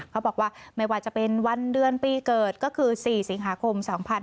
เขาบอกว่าไม่ว่าจะเป็นวันเดือนปีเกิดก็คือ๔สิงหาคม๒๕๖๒